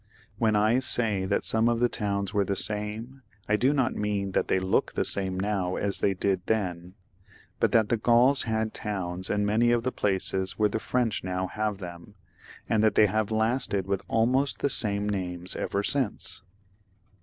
When I say that all the towns were the same, I do not mean that they look the same now as they did then, but that the Gauls had towns in many of the places where the French now have them, and that they have lasted with almost the same names ever since.